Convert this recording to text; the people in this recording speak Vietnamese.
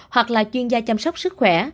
hoặc là chuyên gia chăm sóc sức khỏe